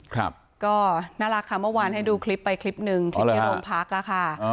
ครับก็น่ารักค่ะเมื่อวานให้ดูคลิปไปคลิปหนึ่งคลิปที่โรงพักอ่ะค่ะ